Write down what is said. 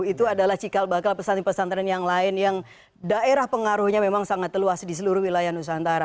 itu adalah cikal bakal pesantren pesantren yang lain yang daerah pengaruhnya memang sangat teluas di seluruh wilayah nusantara